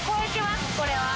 これは。